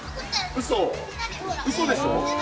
うそでしょ？